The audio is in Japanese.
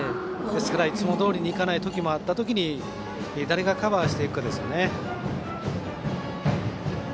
いつもどおりにいかない時もあった時に誰がカバーしていくかですね。